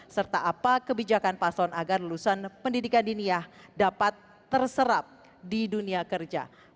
serta apa kebijakan paslon agar lulusan pendidikan diniah dapat terserap di dunia kerja